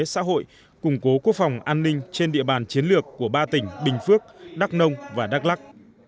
xã hội củng cố quốc phòng an ninh trên địa bàn chiến lược của ba tỉnh bình phước đắk nông và đắk lắc